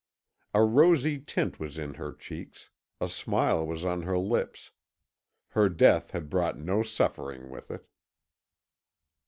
A rosy tint was in her cheeks; a smile was on her lips; her death had brought no suffering with it.